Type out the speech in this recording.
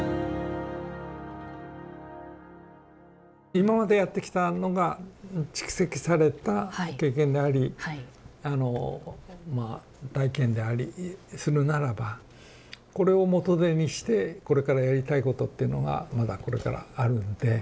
今までやってきたのが蓄積された経験でありあのまあ体験でありするならばこれを元手にしてこれからやりたいことっていうのがまだこれからあるんで。